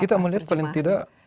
kita melihat paling tidak